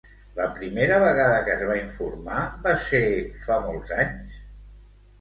La primera vegada que es va informar va ser fa molts anys?